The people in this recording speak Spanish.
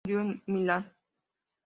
Murió en Milán.